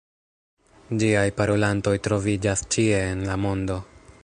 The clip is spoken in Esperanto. Ĝiaj parolantoj troviĝas ĉie en la mondo.